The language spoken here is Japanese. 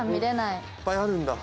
いっぱいあるんだ。